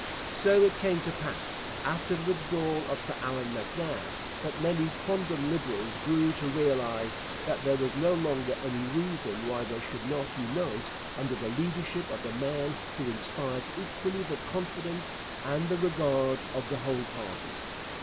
So it came to pass, after the withdrawal of Sir Allan MacNab, that many quondam Liberals grew to realize that there was no longer any reason why they should not unite under the leadership of the man who inspired equally the confidence and the regard of the whole party.